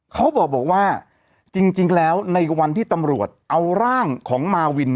เขาบอกว่าจริงแล้วในวันที่ตำรวจเอาร่างของมาวิน